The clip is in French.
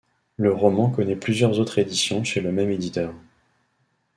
Le roman connaît plusieurs autres éditions chez le même éditeur.